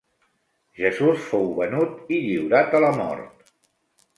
Jesús fou venut i lliurat a la mort.